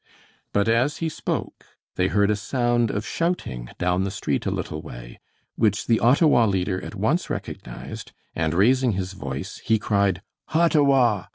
But as he spoke they heard a sound of shouting down the street a little way, which the Ottawa leader at once recognized, and raising his voice he cried: "Hottawa!